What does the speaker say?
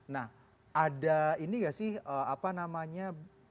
nah ada ini gak sih apa namanya